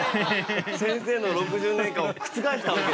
先生の６０年間を覆したわけですね